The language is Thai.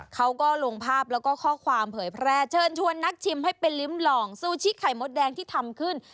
เขาก็ลงภาพแล้วก็ข้อความเผยแพร่เชิญชวนนักชิมให้ไปลิ้มลองซูชิไข่มดแดงที่ทำขึ้น